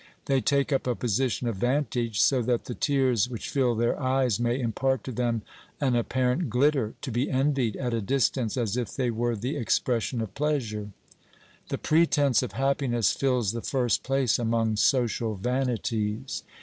They take up a position of vantage, so that the tears which fill their eyes may impart to them an apparent glitter, to be envied at a distance as if they were the expression of pleasure. The pretence of happiness fills the first place among social vanities.